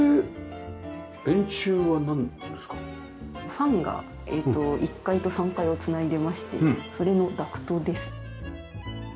ファンが１階と３階を繋いでましてそれのダクトですね。